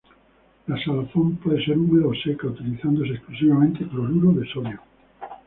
La salazón puede ser húmeda o seca, utilizándose exclusivamente cloruro de sodio.